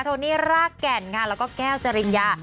โนี่รากแก่นค่ะแล้วก็แก้วจริญญา